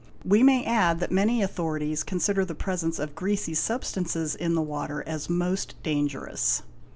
We may add that many authorities consider the presence of greasy substances in the water as most dangerous.